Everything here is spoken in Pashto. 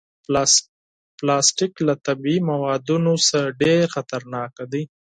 پلاستيک له طبعي موادو نه ډېر خطرناک دی.